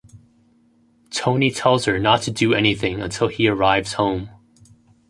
Tony tells her not to do anything until he arrives home.